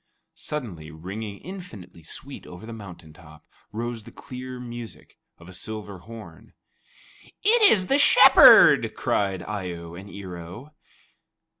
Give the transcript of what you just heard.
Suddenly, ringing infinitely sweet over the mountain top, rose the clear music of a silver horn. "It is the Shepherd!" cried Eye o and Ear o.